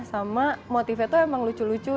sama motifnya tuh emang lucu lucu